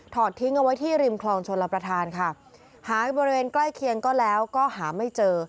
ทิ้งเอาไว้ที่ริมคลองชลประธานค่ะหาอยู่บริเวณใกล้เคียงก็แล้วก็หาไม่เจอ